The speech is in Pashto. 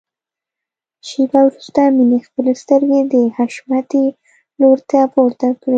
شېبه وروسته مينې خپلې سترګې د حشمتي لوري ته پورته کړې.